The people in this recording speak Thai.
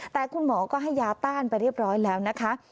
แต่คุณหมอก็ให้ยาต้านไปเรียบร้อยแล้วนะคะ